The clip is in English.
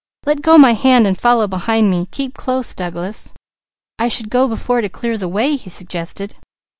Let go my hand and follow behind me. Keep close, Douglas!" "I should go before to clear the way," he suggested.